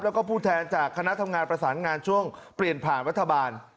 แล้วก็ผู้แทนจากคณะทำงานประสานงานช่วงเปลี่ยนผ่านรัฐบาล